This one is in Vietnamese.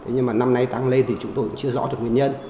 nhưng mà năm nay tăng lên thì chúng tôi cũng chưa rõ được nguyên nhân